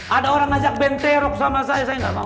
ada orang ajak benterok sama saya